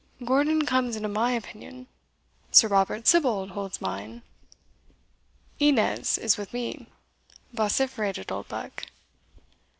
"Gordon comes into my opinion." "Sir Robert Sibbald holds mine." "Innes is with me!" vociferated Oldbuck.